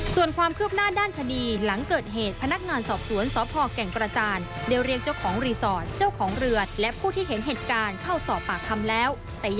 ส่วนความคืบหน้าด้านคดีหลังเกิดเหตุพนักงานสอบสวนสพแก่งกระจานได้เรียกเจ้าของรีสอร์ทเจ้าของเรือและผู้ที่เห็นเหตุการณ์เข้าสอบปากคำแล้ว